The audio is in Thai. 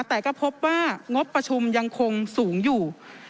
แต่ก็พบว่างบประชุมยังคงสูงอยู่